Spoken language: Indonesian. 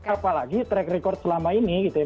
apalagi track record selama ini gitu ya